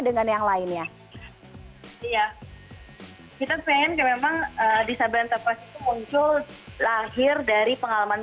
dengan yang lainnya ya kita pengen ya memang disabel tampak buncul lahir dari pengalaman